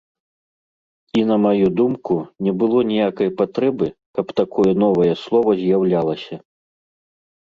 І на маю думку, не было ніякай патрэбы, каб такое новае слова з'яўлялася.